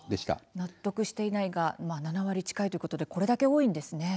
納得していないが７割近くこれだけ多いんですね。